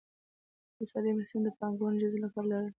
اقتصادي بنسټونو د پانګونې جذب لپاره لرل.